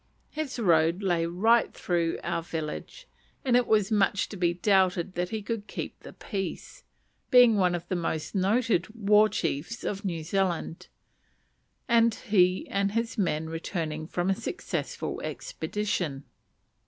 His road lay right through our village, and it was much to be doubted that he would keep the peace, being one of the most noted war chiefs of New Zealand, and he and his men returning from a successful expedition.